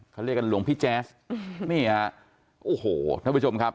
เขาเรียกกันหลวงพี่แจ๊สนี่ฮะโอ้โหท่านผู้ชมครับ